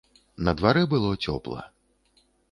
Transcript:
На дварэ было цёпла.